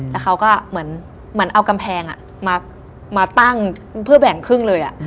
แล้วเขาก็เหมือนเอากำแพงมาตั้งเพื่อแบ่งครึ่งเลย